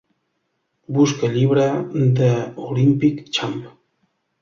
Busca el llibre The Olympic Champ.